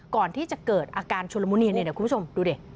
ก่อนที่จะเกิดอาการชุลมุเนียนเดี๋ยวคุณผู้ชมดูดิ